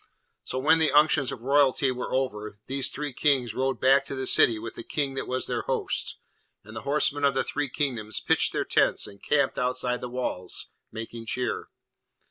So when the unctions of Royalty were over, these three Kings rode back to the city with the King that was their host, and the horsemen of the three kingdoms pitched their tents and camped outside the walls, making cheer.